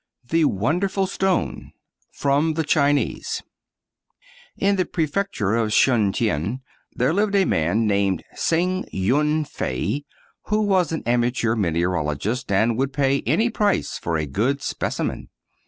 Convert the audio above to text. TAe Wonderful Stone From the Chinese T N the prefecture of Shun t'ien ^ there lived a man named Hsing Yun fei, who was an amateur mineralogist and would pay any price for a good specimen.